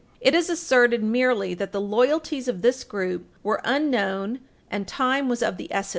It is asserted merely that the loyalties of this group "were unknown and time was of the essence."